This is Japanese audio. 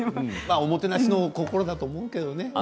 おもてなしの心だと思うけれどね。